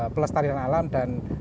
pelestarian alam dan